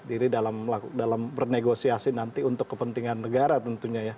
diri dalam bernegosiasi nanti untuk kepentingan negara tentunya ya